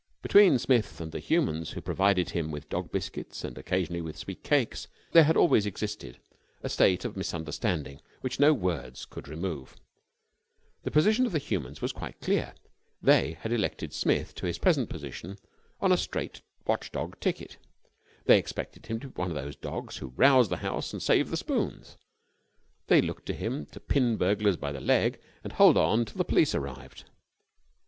Between Smith and the humans who provided him with dog biscuits and occasionally with sweet cakes there had always existed a state of misunderstanding which no words could remove. The position of the humans was quite clear. They had elected Smith to his present position on a straight watch dog ticket. They expected him to be one of those dogs who rouse the house and save the spoons. They looked to him to pin burglars by the leg and hold on till the police arrived.